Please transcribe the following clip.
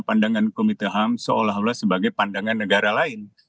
pandangan komite ham seolah olah sebagai pandangan negara lain